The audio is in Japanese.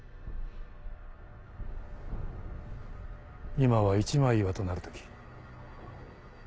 今は一枚岩となる時。